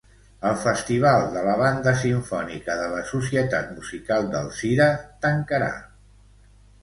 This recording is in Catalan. El festival de la Banda Simfònica de la Societat Musical d'Alzira tancarà.